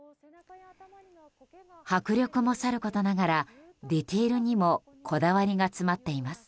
迫力もさることながらディティールにもこだわりが詰まっています。